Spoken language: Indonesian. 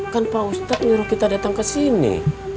kan pak ustad nyuruh kita datang kesini